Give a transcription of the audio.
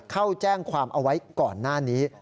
เข้าแจ้งความเอาไว้ก่อนหน้านี้